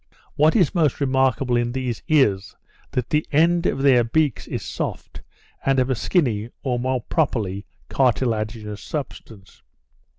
What is most remarkable in these is, that the end of their beaks is soft, and of a skinny, or more properly, cartilaginous substance.